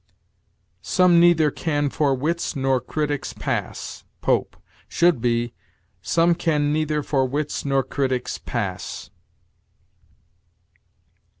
"Some neither can for wits nor critics pass" (Pope), should be, "Some can neither for wits nor critics pass."